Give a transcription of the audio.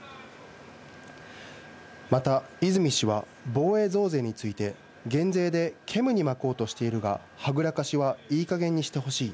また泉氏は防衛増税について、減税で煙にまこうとしているが、はぐらかしはいいかげんにしてほしい。